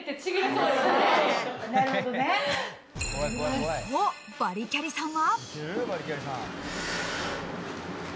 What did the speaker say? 一方、バリキャリさんは。